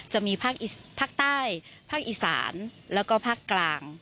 จะมีภาคใต้ภาคอีสานแล้วก็ภาคกลาง